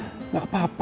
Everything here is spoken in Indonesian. ini juga gak apa apa